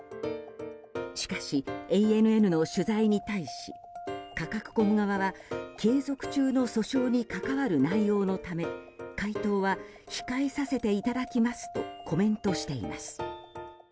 しかし、ＡＮＮの取材に対しカカクコム側は、係属中の訴訟に関わる内容のため回答は控えさせていただきますとコメントしています。